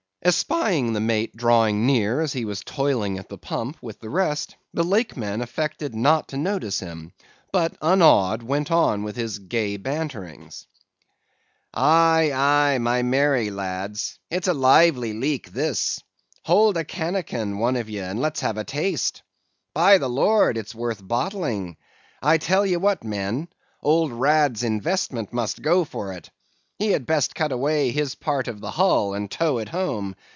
"Espying the mate drawing near as he was toiling at the pump with the rest, the Lakeman affected not to notice him, but unawed, went on with his gay banterings. "'Aye, aye, my merry lads, it's a lively leak this; hold a cannikin, one of ye, and let's have a taste. By the Lord, it's worth bottling! I tell ye what, men, old Rad's investment must go for it! he had best cut away his part of the hull and tow it home.